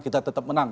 kita tetap menang